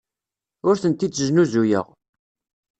Ur tent-id-snuzuyeɣ.